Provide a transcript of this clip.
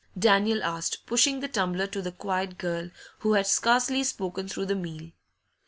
Daniel asked, pushing the tumbler to the quiet girl, who had scarcely spoken through the meal.